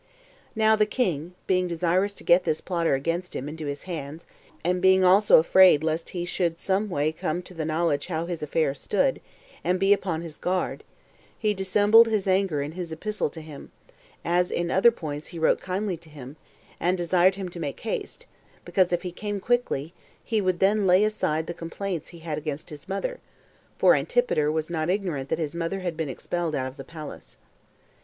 3. Now the king, being desirous to get this plotter against him into his hands, and being also afraid lest he should some way come to the knowledge how his affairs stood, and be upon his guard, he dissembled his anger in his epistle to him, as in other points he wrote kindly to him, and desired him to make haste, because if he came quickly, he would then lay aside the complaints he had against his mother; for Antipater was not ignorant that his mother had been expelled out of the palace.